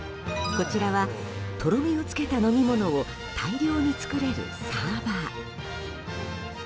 こちらはとろみを付けた飲み物を大量に作れるサーバー。